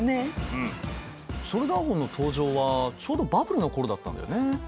うんショルダーホンの登場はちょうどバブルの頃だったんだよね。